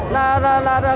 là là là là